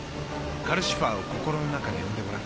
カルシファーを心の中で呼んでごらん。